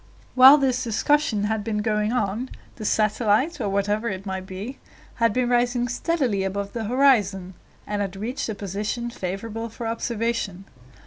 While this discussion had been going on, the satellite, or whatever it might be, had been rising steadily above the horizon, and had reached a position favorable for observation.